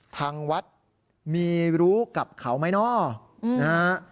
ทางวัดมีรู้กับเขาไหมเนาะนะฮะ